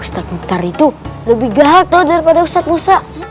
ustadz muhtar itu lebih galak tuh daripada ustadz muhtar